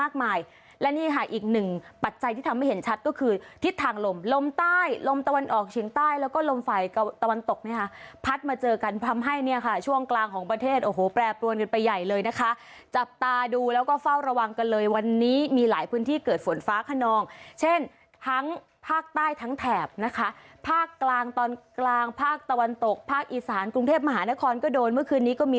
ความตะวันออกเฉียงใต้แล้วก็ลมไฝตะวันตกเนี่ยค่ะพัดมาเจอกันทำให้เนี่ยค่ะช่วงกลางของประเทศโอ้โหแปรปรวนกันไปใหญ่เลยนะคะจับตาดูแล้วก็เฝ้าระวังกันเลยวันนี้มีหลายพื้นที่เกิดฝนฟ้าขนองเช่นทั้งภาคใต้ทั้งแถบนะคะภาคกลางตอนกลางภาคตะวันตกภาคอีสานกรุงเทพมหานครก็โดนเมื่อค